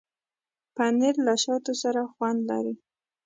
پنېر له شاتو سره خوند لري.